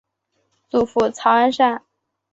祖父曹安善。